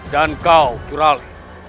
dan kau curale